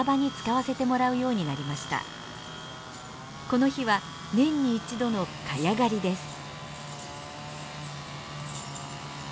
この日は年に一度のカヤ刈りです。